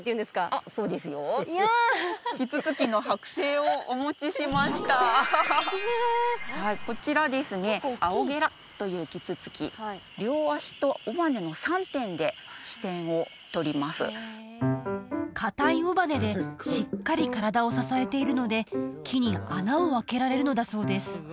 あっそうですよいやキツツキの剥製をお持ちしましたこちらですねアオゲラというキツツキ両足と尾羽の３点で支点を取ります硬い尾羽でしっかり体を支えているので木に穴を開けられるのだそうです